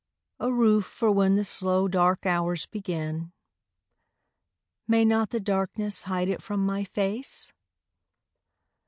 A roof for when the slow dark hours begin. May not the darkness hide it from my face?